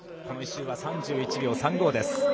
この１周は３１秒３５です。